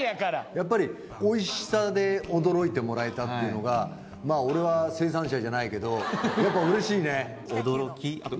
やっぱりおいしさで驚いてもらえたっていうのがまぁ俺は生産者じゃないけどやっぱうれしいね。